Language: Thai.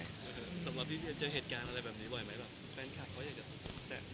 สำหรับพี่จะเห็นเหตุการณ์อะไรแบบนี้บ่อยไหม